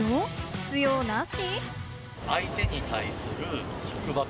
必要なし？